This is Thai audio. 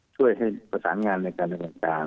ช่วยให้ประสางงานในการรีบการ